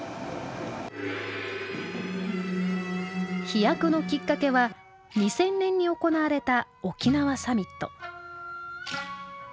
飛躍のきっかけは２０００年に行われた沖縄サミット。